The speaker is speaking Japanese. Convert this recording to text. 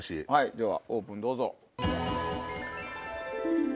ではオープンどうぞ。